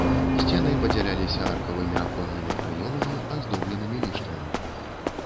Сцены падзяляліся аркавымі аконнымі праёмамі, аздобленымі ліштвамі.